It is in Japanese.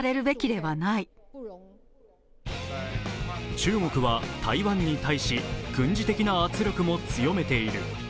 中国は台湾に対し、軍事的な圧力も強めている。